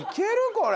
これ。